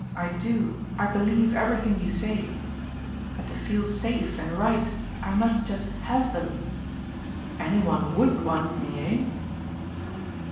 I do, I believe, everything you say; but to feel safe and right I must just HAVE them. Any one WOULD want me, eh?"